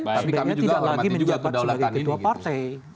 pak sby juga hormati juga tua partai